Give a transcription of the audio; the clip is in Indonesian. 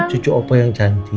cucu opa yang cantik